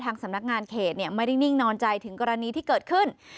สำนักงานเขตไม่ได้นิ่งนอนใจถึงกรณีที่เกิดขึ้น